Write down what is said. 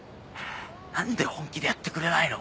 何で本気でやってくれないの？